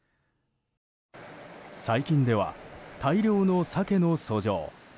最近では大漁のサケの遡上。